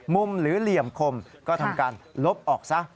หรือเหลี่ยมคมก็ทำการลบออกซะ